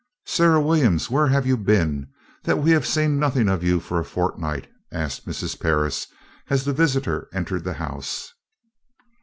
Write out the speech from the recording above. "Sarah Williams, where have you been, that we have seen nothing of you for a fortnight?" asked Mrs. Parris as the visitor entered the house.